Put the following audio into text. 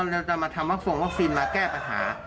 เราจะมาส่งวอคซีนไม่แก้ปัญหา